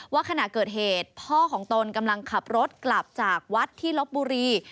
ขณะเกิดเหตุพ่อของตนกำลังขับรถกลับจากวัดที่ลบบุรี